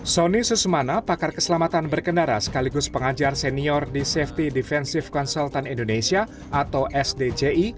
sony susmana pakar keselamatan berkendara sekaligus pengajar senior di safety defensive consultant indonesia atau sdji